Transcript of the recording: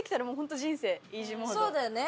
そうだよね。